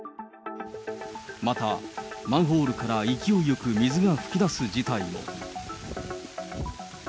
またマンホールから勢いよく水が噴き出す事態も。